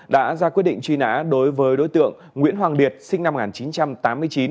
đã ra quyết định truy nã đối với đối tượng nguyễn hoàng liệt sinh năm một nghìn chín trăm tám mươi chín